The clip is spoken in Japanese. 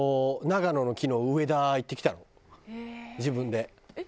長野の昨日上田行ってきたの自分で。